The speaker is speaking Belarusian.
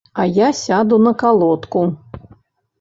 А я сяду на калодку.